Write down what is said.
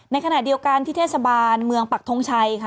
ในขณะเดียวกันที่เทศบาลเมืองปักทงชัยค่ะ